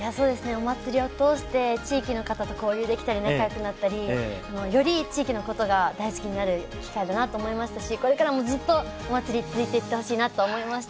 お祭りを通して地域の方と交流できたり仲よくなったりより地域のことが大好きになる機会だなと思いましたしこれからもずっとお祭り続いていってほしいなと思いました。